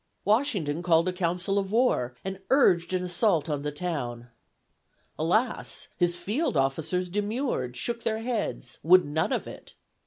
Washington called a council of war and urged an assault on the town. Alas! his field officers demurred, shook their heads, would none of it.